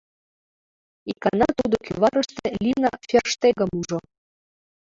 Икана тудо кӱварыште Лина Ферштегым ужо.